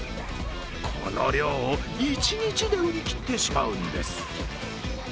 この量を一日で売り切ってしまうんです。